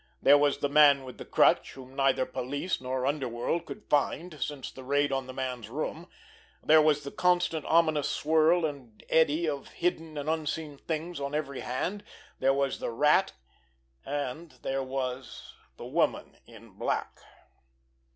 There was the Man With The Crutch, whom neither police nor underworld could find since that raid on the man's room; there was the constant, ominous swirl and eddy of hidden and unseen things on every hand; there was the Rat—and there was the Woman in Black!